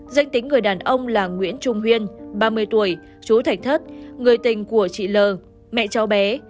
danh tính người đàn ông là nguyễn trung huyên ba mươi tuổi chú thạch thất người tình của chị l mẹ cháu bé